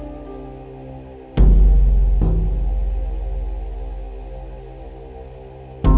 tentang greater satu ratus dua puluh tiga kejuan asb trans africa